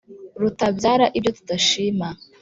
rutabyara ibyo tudashima